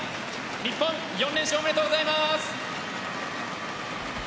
日本４連勝おめでとうございます。